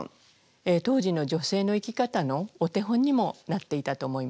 当時の女性の生き方のお手本にもなっていたと思います。